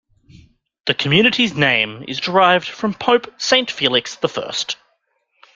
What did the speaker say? The community's name is derived from Pope Saint Felix I.